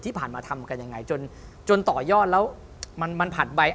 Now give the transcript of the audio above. ที่ผ่านมาทำกันยังไงจนต่อยอดแล้วมันผ่านไป